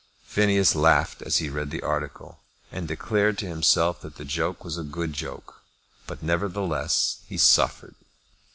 Phineas laughed as he read the article, and declared to himself that the joke was a good joke. But, nevertheless, he suffered.